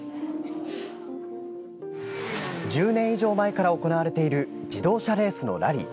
１０年以上前から行われている自動車レースのラリー。